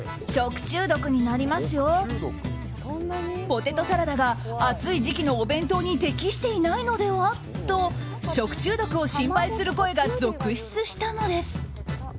ポテトサラダが、暑い時期のお弁当に適していないのでは？と食中毒を心配する声が続出したのです。